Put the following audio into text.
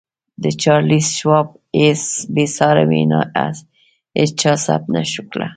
د چارليس شواب بې ساري وينا هېچا ثبت نه کړه.